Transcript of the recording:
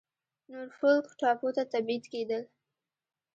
نورفولک ټاپو ته تبعید کېدل.